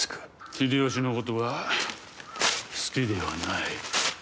秀吉のことは好きではない。